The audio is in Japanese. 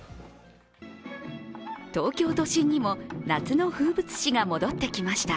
東京都心にも夏の風物詩が戻ってきました。